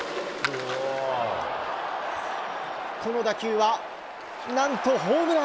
この打球はなんとホームラン。